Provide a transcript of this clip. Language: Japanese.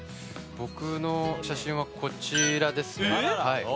僕の写真はこちらです。